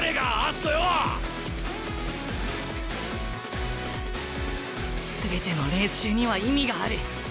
心の声全ての練習には意味がある。